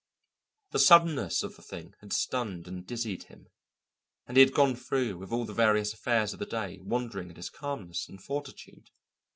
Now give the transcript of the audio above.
The suddenness of the thing had stunned and dizzied him, and he had gone through with all the various affairs of the day wondering at his calmness and fortitude.